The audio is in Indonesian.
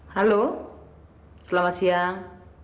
halo selamat siang